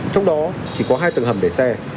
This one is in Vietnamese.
trong đó chỉ có hai tầng hầm để xe